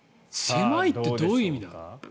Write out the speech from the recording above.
狭いってどういう意味だ？